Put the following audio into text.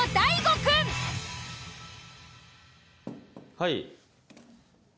はい。